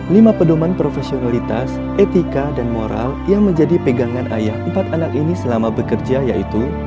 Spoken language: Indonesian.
lima pedoman profesionalitas etika dan moral yang menjadi pegangan ayah empat anak ini selama bekerja yaitu